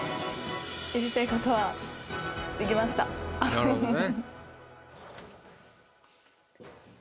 なるほどね。